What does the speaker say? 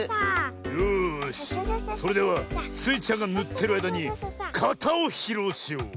よしそれではスイちゃんがぬってるあいだにかたをひろうしよう。